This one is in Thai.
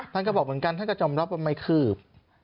ท่านก็บอกเหมือนกันท่านก็ยอมรับว่าไม่คืบ